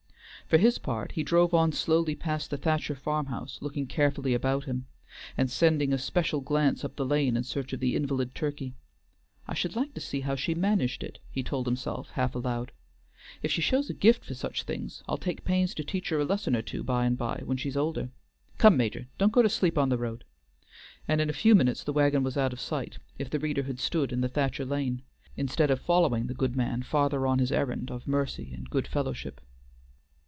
For his part, he drove on slowly past the Thacher farmhouse, looking carefully about him, and sending a special glance up the lane in search of the invalid turkey. "I should like to see how she managed it," he told himself half aloud. "If she shows a gift for such things I'll take pains to teach her a lesson or two by and by when she is older.... Come Major, don't go to sleep on the road!" and in a few minutes the wagon was out of sight, if the reader had stood in the Thacher lane, instead of following the good man farther on his errand of mercy and good fellowship.